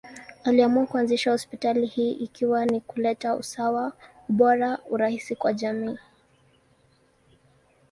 Aliamua kuanzisha hospitali hii ikiwa ni kuleta usawa, ubora, urahisi kwa jamii.